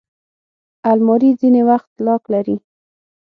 الماري ځینې وخت لاک لري